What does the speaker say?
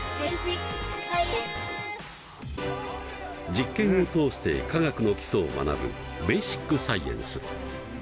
実験を通して科学の基礎を学ぶ「ベーシックサイエンス」。